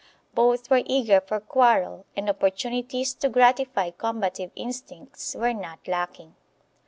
Both were eager for quarrel and opportunities to gratify combative instincts were not lacking.